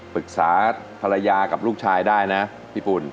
ปรึกษาภรรยากับลูกชายได้นะพี่ปุ่น